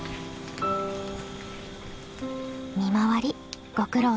見回りご苦労さま。